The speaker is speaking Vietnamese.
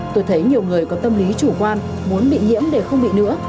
tôi thấy nhiều người có tâm lý chủ quan muốn bị nhiễm để không bị nữa